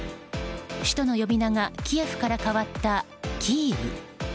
首都の呼び名がキエフから変わったキーウ。